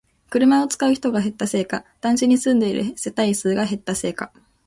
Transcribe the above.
車を使う人が減ったせいか、団地に住んでいる世帯数が減ったせいか